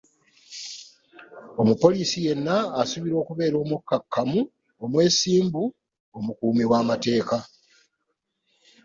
Omupoliisi yenna asuubirwa okubeera omukakkamu, omwesimbu, omukuumi w’amateeka.